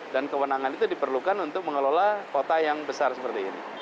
kewenangan itu diperlukan untuk mengelola kota yang besar seperti ini